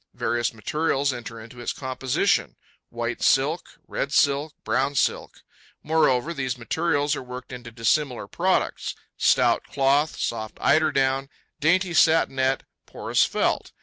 Various materials enter into its composition: white silk, red silk, brown silk; moreover, these materials are worked into dissimilar products: stout cloth, soft eiderdown, dainty satinette, porous felt.